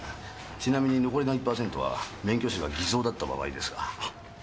ちなみに残りの１パーセントは免許証が偽造だった場合ですが。